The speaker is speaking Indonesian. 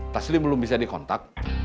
tasli belum bisa dikontak